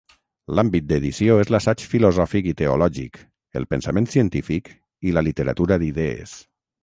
L'àmbit d'edició és l'assaig filosòfic i teològic, el pensament científic i la literatura d'idees.